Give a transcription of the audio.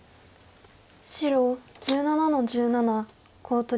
白１７の十七コウ取り。